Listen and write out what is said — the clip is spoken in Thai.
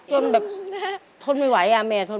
ทุ่มแบบทนไม่ไหวอ่ะแม่ทนไม่ไหว